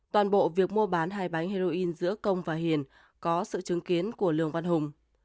toàn bộ việc mua bán hai bánh heroin giữa công và hiền có sự chứng kiến của lường văn hùng